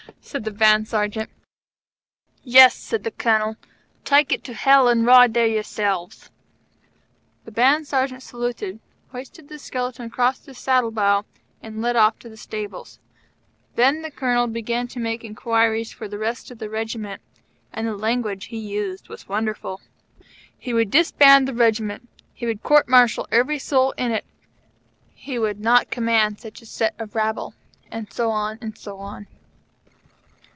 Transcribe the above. said the Band Sergeant. "Yes," said the Colonel, "take it to Hell, and ride there yourselves!" The Band Sergeant saluted, hoisted the skeleton across his saddle bow, and led off to the stables. Then the Colonel began to make inquiries for the rest of the Regiment, and the language he used was wonderful. He would disband the Regiment he would court martial every soul in it he would not command such a set of rabble, and so on, and so on.